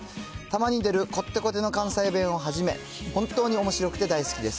たまに出るこってこての関西弁をはじめ、本当におもしろくて大好きです。